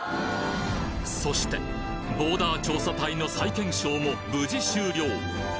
そしてボーダー調査隊の再検証も無事終了